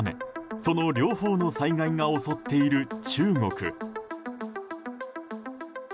その両方の災害が襲っている中国。